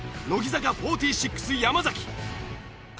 乃木坂４６山崎。